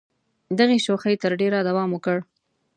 دغې شوخۍ تر ډېره دوام وکړ.